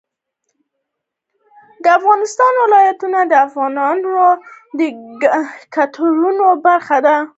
د افغانستان ولايتونه د افغانانو د ګټورتیا برخه ده.